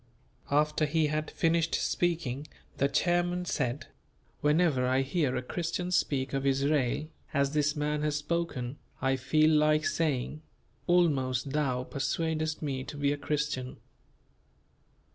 After he had finished speaking the chairman said, "Whenever I hear a Christian speak of Israel as this man has spoken, I feel like saying, 'Almost thou persuadest me to be a Christian.